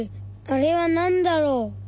あれはなんだろう。